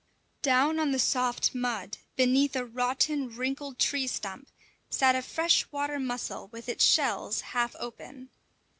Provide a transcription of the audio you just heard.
Down on the soft mud, beneath a rotten, wrinkled tree stump, sat a fresh water mussel with its shells half open.